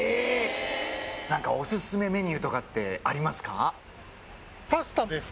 何かオススメメニューとかってありますか？